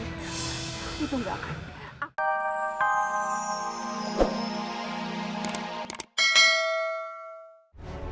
itu gak akan